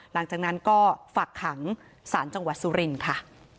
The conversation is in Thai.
หลังจากนั้นก็ฝักขังสารจังหวัดสุรินทร์ค่ะ